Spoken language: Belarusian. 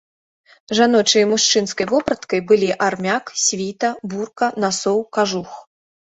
Жаночай і мужчынскай вопраткай былі армяк, світа, бурка, насоў, кажух.